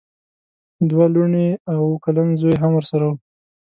دوه لوڼې او اوه کلن زوی یې هم ورسره وو.